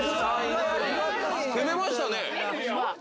攻めましたね。